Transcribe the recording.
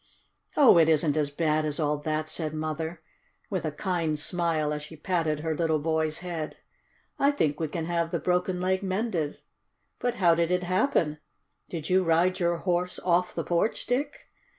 "Oh, it isn't as bad as all that," said Mother, with a kind smile as she patted her little boy's head. "I think we can have the broken leg mended. But how did it happen? Did you ride your Horse off the porch, Dick?"